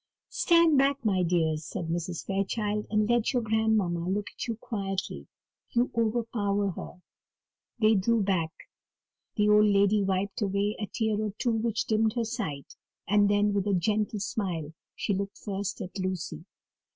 "Stand back, my dears," said Mrs. Fairchild, "and let your grandmamma look at you quietly you overpower her." They drew back. The old lady wiped away a tear or two which dimmed her sight, and then, with a gentle smile, she looked first at Lucy.